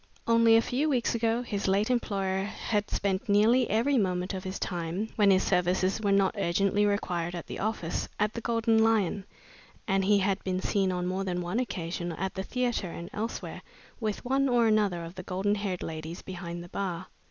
Only a few weeks ago, his late employer had spent nearly every moment of his time, when his services were not urgently required at the office, at the Golden Lion, and he had been seen on more than one occasion at the theatre and elsewhere with one or another of the golden haired ladies behind the bar.